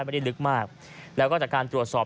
ลึกมากแล้วก็จากการตรวจสอบ